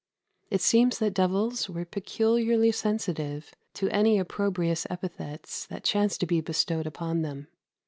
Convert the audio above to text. It seems that devils were peculiarly sensitive to any opprobrious epithets that chanced to be bestowed upon them.